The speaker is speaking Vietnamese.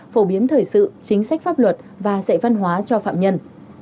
phổ biến thời sự chính sách pháp luật và dạy văn hóa cho phạm nhân